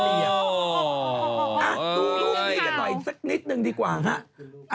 ดูรูปนี้กันหน่อยสักนิดนึงดีกว่าฮะ